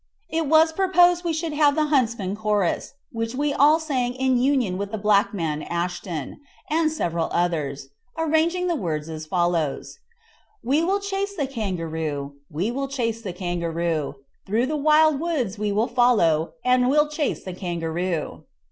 It was proposed that we should have the Huntsman's Chorus, which we all sang in union with the black man, Ashton, and several others, I arranging the words as follows: "We will chase the kangaroo, We will chase the kangaroo Thro' the wild woods we will follow, And will chase the kangaroo."